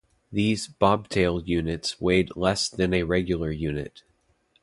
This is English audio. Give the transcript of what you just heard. These "bobtail" units weighed less than a regular unit.